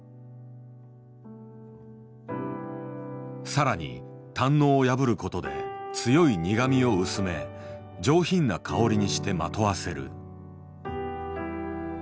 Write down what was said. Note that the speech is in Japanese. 更に胆のうを破る事で強い苦みを薄め上品な香りにしてまとわせる。